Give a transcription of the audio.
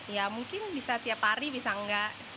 ya mungkin bisa tiap hari bisa enggak